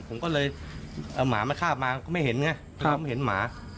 ผมก็เลยเอาหมามาข้าบมาก็ไม่เห็นไงผมเห็นหมา